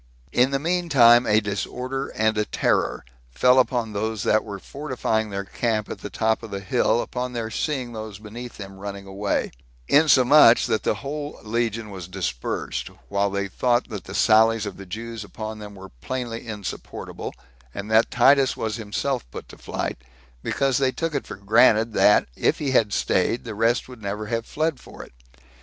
In the mean time, a disorder and a terror fell again upon those that were fortifying their camp at the top of the hill, upon their seeing those beneath them running away; insomuch that the whole legion was dispersed, while they thought that the sallies of the Jews upon them were plainly insupportable, and that Titus was himself put to flight; because they took it for granted, that, if he had staid, the rest would never have fled for it.